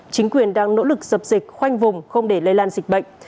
chính quyền đang nỗ lực dập dịch khoanh vùng không để lây lan dịch bệnh